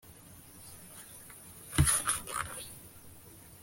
ngakoma akamu, nteye ubufilisiti